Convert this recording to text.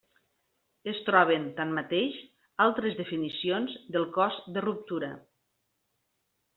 Es troben tanmateix altres definicions del cos de ruptura.